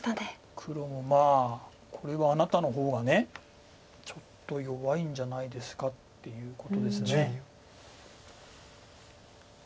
黒もまあ「これはあなたの方がちょっと弱いんじゃないですか」っていうことです。